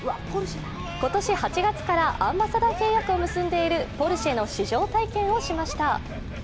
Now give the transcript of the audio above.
今年８月からアンバサダー契約を結んでいるポルシェの試乗体験をしました。